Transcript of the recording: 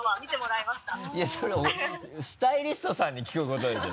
いやそれスタイリストさんに聞くことでしょ？